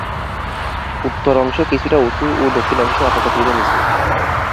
উত্তর অংশ কিছুটা উঁচু ও দক্ষিণ অংশ অপেক্ষাকৃত নিচু।